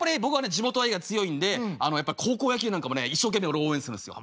地元愛が強いんでやっぱ高校野球なんかもね一生懸命俺応援するんですよ。